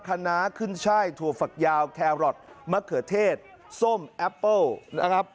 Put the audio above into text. คณะขึ้นช่ายถั่วฝักยาวแครอทมะเขือเทศส้มแอปเปิ้ลนะครับ